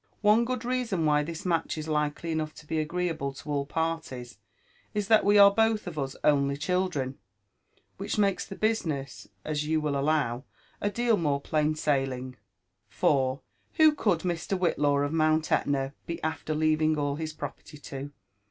One good reason why this match is likely enough to l>e agreeable to all parlies is, that we are both of us only children ; which makes the business, as you will allow, atleal more plain «ailing. For, who could Mr. Whillaw of Mount Etna be after leaving all his property to?